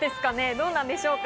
どうでしょうか。